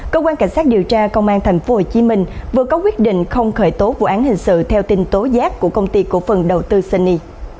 cơ quan cảnh sát điều tra công an tp hcm vừa có quyết định không khởi tố vụ án hình sự theo tin tố giác của công ty cổ phần đầu tư sunny